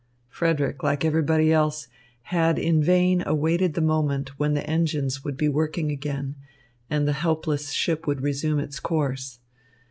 Frederick, like everybody else, had in vain awaited the moment when the engines would be working again, and the helpless ship would resume its course.